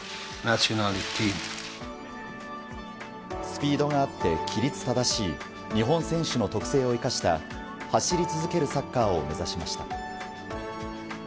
スピードがあって規律正しい日本選手の特性を生かした走り続けるサッカーを目指しました。